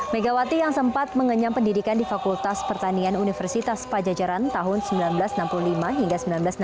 megawati yang sempat mengenyam pendidikan di fakultas pertanian universitas pajajaran tahun seribu sembilan ratus enam puluh lima hingga seribu sembilan ratus enam puluh